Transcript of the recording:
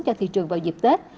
cho thị trường vào dịp tết